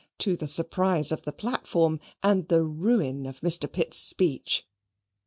to the surprise of the platform, and the ruin of Mr. Pitt's speech.